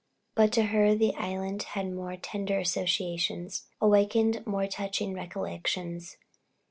But to her the island had more tender associations; awakened more touching recollections.